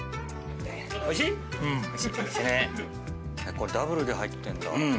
これダブルで入ってんだ。